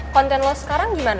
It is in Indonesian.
konten lo sekarang gimana